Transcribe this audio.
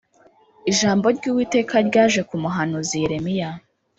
ijambo ry’uwiteka ryaje ku muhanuzi yeremiya